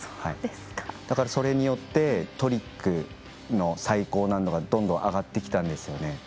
だから、それによってトリックの最高難度がどんどん上がってきたんですよね。